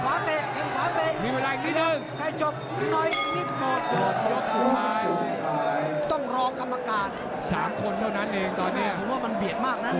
กรรมการหนึ่งเล่นกรรมการหนักใจนะอย่างนี้